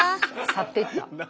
去っていった。